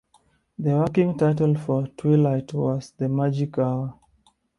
The working title for "Twilight" was "The Magic Hour.